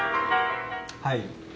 はい。